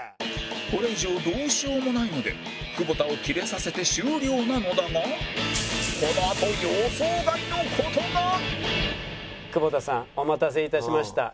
これ以上どうしようもないので久保田をキレさせて終了なのだがこのあと久保田さんお待たせいたしました。